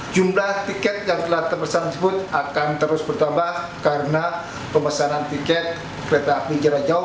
jumlah tiket yang telah terpesan tersebut akan terus bertambah karena pemesanan tiket kereta api jarak jauh